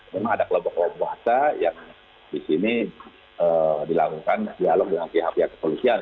memang ada kelompok kelompok massa yang di sini dilakukan dialog dengan pihak pihak kepolisian